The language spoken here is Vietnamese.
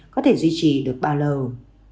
có thể duy trì được bao lâu